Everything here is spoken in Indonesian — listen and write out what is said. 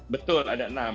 betul ada enam